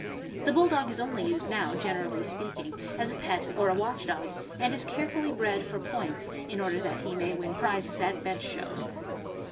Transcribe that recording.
The Bulldog is only used now, generally speaking, as a pet or a watch dog, and is care fully bred for points, in order that he may win prizes at bench shows.